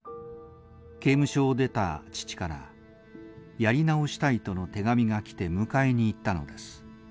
刑務所を出た父から「やり直したい」との手紙が来て迎えに行ったのです。